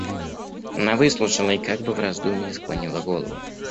Она выслушала и как бы в раздумье склонила голову.